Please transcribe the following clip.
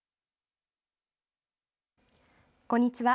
こんにちは。